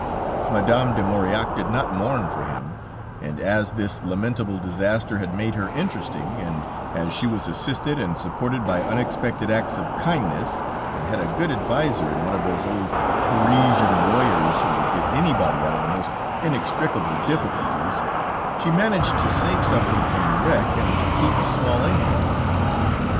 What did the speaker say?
Madame de Maurillac did not mourn for him, and as this lamentable disaster had made her interesting, and as she was assisted and supported by unexpected acts of kindness, and had a good adviser in one of those old Parisian lawyers who would get anybody out of the most inextricable difficulties, she managed to save something from the wreck, and to keep a small income.